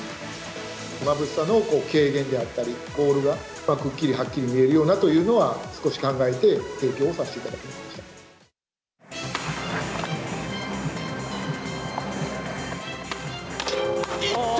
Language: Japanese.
まぶしさの軽減であったり、ボールがくっきりはっきり見えるようなというのは、少し考えて提供をさせていただきました。